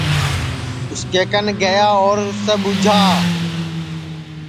اُس کے کن گیا اور اُسے ٻوجھا